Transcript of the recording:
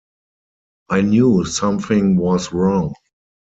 I knew something was wrong.